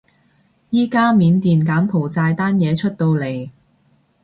而家緬甸柬埔寨單嘢出到嚟